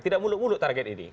tidak muluk muluk target ini